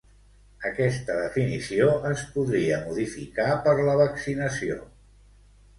Aquesta definició es podria modificar per la vaccinació.